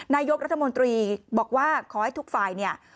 นายกรัฐมนตรีบอกว่าขอให้ทุกฝ่ายเนี่ย